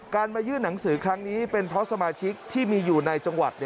มายื่นหนังสือครั้งนี้เป็นเพราะสมาชิกที่มีอยู่ในจังหวัด